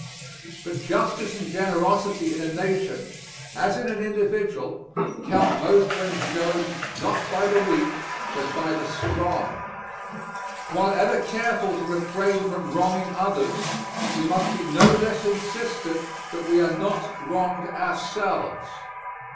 But justice and generosity in a nation, as in an individual, count most when shown not by the weak but by the strong. While ever careful to refrain from wronging others, we must be no less insistent that we are not wronged ourselves.